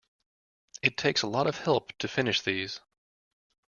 It takes a lot of help to finish these.